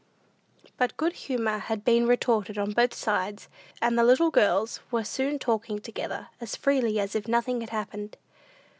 But good humor had been restored on both sides, and the little girls were soon talking together, as freely as if nothing had happened.